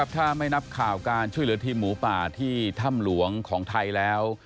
ถ้าไม่นับข่าวการช่วยเหลือทีมหมูป่าที่ถ้ำหลวงของไทยแล้ว